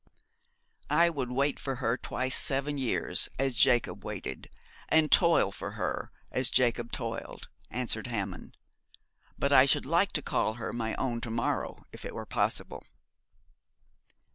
'I would wait for her twice seven years, as Jacob waited, and toil for her, as Jacob toiled,' answered Hammond, 'but I should like to call her my own to morrow, if it were possible.'